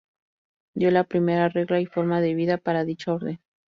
Dio la primera regla y forma de vida para dicha orden.